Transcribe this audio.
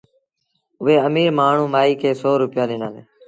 اُئي اميٚر مآڻهوٚٚݩ مآئيٚ کي سو روپيآ ڏنآݩدي